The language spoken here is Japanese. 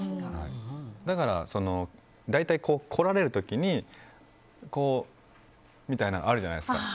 だから、大体、こられる時にこう、会釈みたいなのあるじゃないですか。